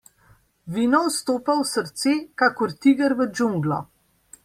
Vino vstopa v srce kakor tiger v džunglo.